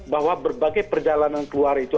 bahwa berbagai perjalanan keluar itu